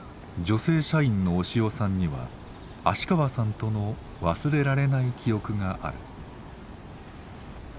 女性社員の押尾さんには芦川さんとの忘れられない記憶がある。